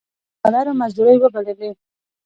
د ډالرو مزدورۍ وبللې.